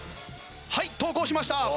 はい投稿しました。